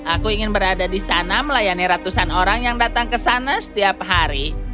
aku ingin berada di sana melayani ratusan orang yang datang ke sana setiap hari